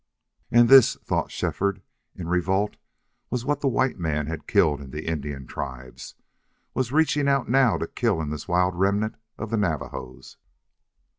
........... And this, thought Shefford in revolt, was what the white man had killed in the Indian tribes, was reaching out now to kill in this wild remnant of the Navajos.